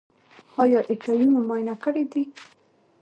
ایا ایچ آی وي مو معاینه کړی دی؟